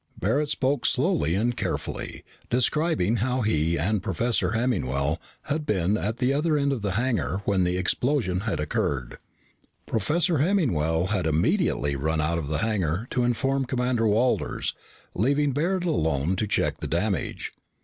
Barret spoke slowly and carefully, describing how he and Professor Hemmingwell had been at the other end of the hangar when the explosion had occurred. Professor Hemmingwell had immediately run out of the hangar to inform Commander Walters, leaving Barret alone to check the damage.